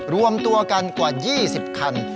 รวมตัวกันกว่า๒๐คัน